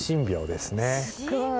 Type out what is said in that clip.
すごい。